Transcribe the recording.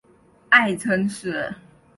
爱称是。